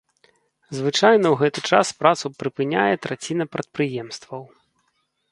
Звычайна ў гэты час працу прыпыняе траціна прадпрыемстваў.